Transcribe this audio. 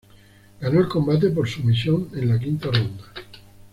Ganó el combate por sumisión en la quinta ronda.